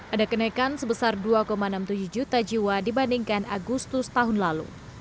ada kenaikan sebesar dua enam puluh tujuh juta jiwa dibandingkan agustus tahun lalu